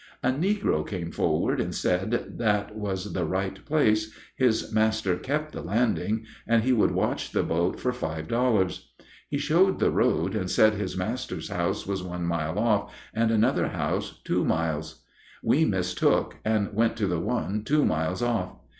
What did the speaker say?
A negro came forward and said that was the right place, his master kept the landing, and he would watch the boat for five dollars. He showed the road, and said his master's house was one mile off and another house two miles. We mistook, and went to the one two miles off.